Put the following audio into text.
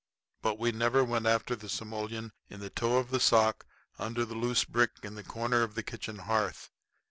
But we never went after the simoleon in the toe of the sock under the loose brick in the corner of the kitchen hearth.